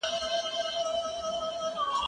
زه به زدکړه کړې وي؟